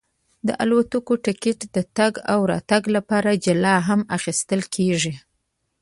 د الوتکې ټکټ د تګ او راتګ لپاره جلا هم اخیستل کېږي.